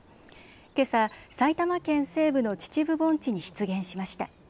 けさ、埼玉県西部の秩父盆地に出現しました。